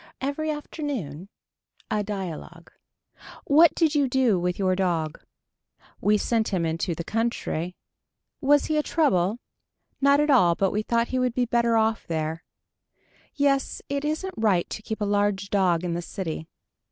Every afternoon. A dialogue. What did you do with your dog. We sent him into the country. Was he a trouble. Not at all but we thought he would be better off there. Yes it isn't right to keep a large dog in the city.